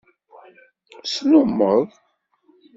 Slummeḍ.